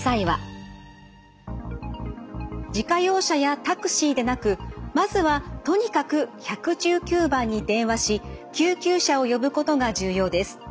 自家用車やタクシーでなくまずはとにかく１１９番に電話し救急車を呼ぶことが重要です。